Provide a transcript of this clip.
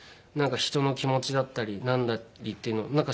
なんか人の気持ちだったりなんだりっていうのを。